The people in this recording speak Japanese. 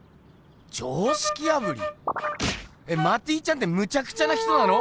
常識破り？えマティちゃんってむちゃくちゃな人なの？